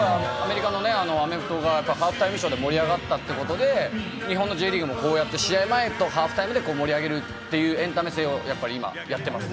アメリカのアメフトがハーフタイムショーで盛り上がったってことで、日本のＪリーグも試合前とハーフタイムで盛り上げるというエンタメ性を今やってます。